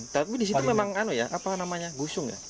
tapi di situ memang apa namanya gosong ya